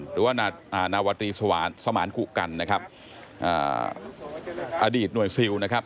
หรือว่านาวตรีสวานสมานกุกันนะครับอดีตหน่วยซิลนะครับ